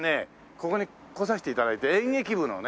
ここに来させて頂いて演劇部のね